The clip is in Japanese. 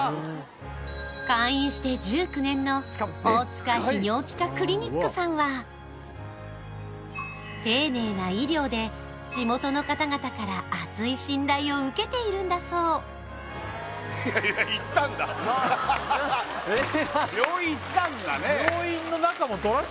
開院して１９年の大塚泌尿器科クリニックさんは丁寧な医療で地元の方々から厚い信頼を受けているんだそう病院行ったんだね